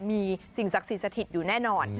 มีสิ่งศักดิ์สิทธิสถิตอยู่แน่นอน